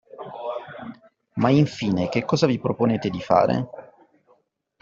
Ma infine, che cosa vi proponete di fare?